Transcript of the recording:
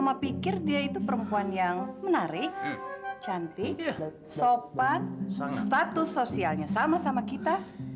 jadi mama pikir dia itu perempuan yang menarik cantik sopan status sosialnya sama sama kita